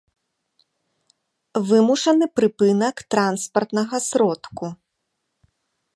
вымушаны прыпынак транспартнага сродку